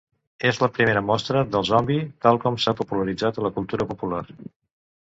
És la primera mostra del zombi tal com s'ha popularitzat a la cultura popular.